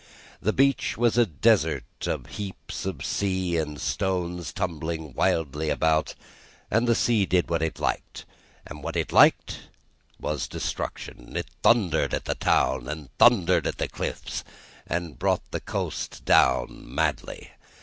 The beach was a desert of heaps of sea and stones tumbling wildly about, and the sea did what it liked, and what it liked was destruction. It thundered at the town, and thundered at the cliffs, and brought the coast down, madly.